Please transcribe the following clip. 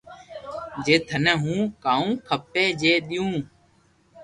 جي ٿني ھون ڪاو کپي جي ديو